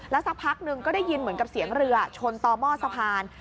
สักพักหนึ่งก็ได้ยินเหมือนกับเสียงเรือชนต่อหม้อสะพาน